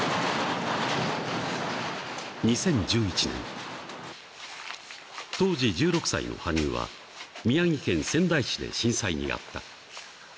２０１１年、当時１６歳の羽生は、宮城県仙台市で震災に遭った。